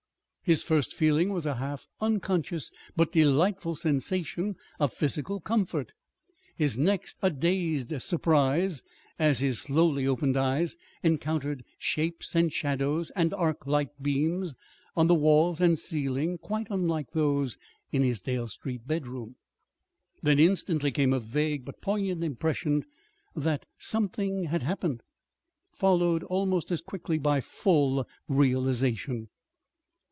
His first feeling was a half unconscious but delightful sensation of physical comfort. His next a dazed surprise as his slowly opened eyes encountered shapes and shadows and arc light beams on the walls and ceiling quite unlike those in his Dale Street bedroom. Then instantly came a vague but poignant impression that "something had happened," followed almost as quickly by full realization.